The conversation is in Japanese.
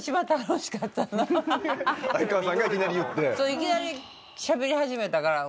いきなりしゃべり始めたから。